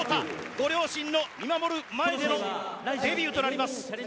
ご両親の見守る前でのデビューとなります。